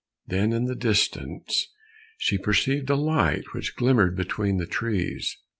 Then in the distance she perceived a light which glimmered between the trees.